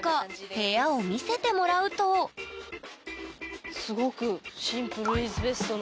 部屋を見せてもらうとすごくシンプルイズベストな。